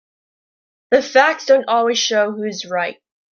The facts don't always show who is right.